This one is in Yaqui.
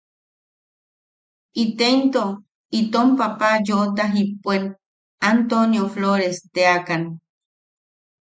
Iteinto itom papa yoʼota jipuen Antonio Floresteakan.